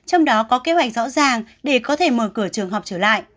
trong đó có kế hoạch rõ ràng để có thể mở cửa trường học trở lại